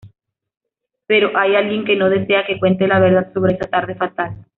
Pero hay alguien que no desea que cuente la verdad sobre esa tarde fatal.